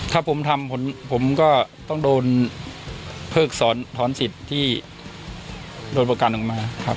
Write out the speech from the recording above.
ถ้าผมทำผมก็ต้องโดนเพิกสอนถอนสิทธิ์ที่โดนประกันออกมาครับ